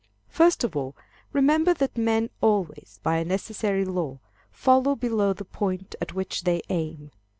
First of all, remember that men always, by a necessary law, fall below the point at which they aim.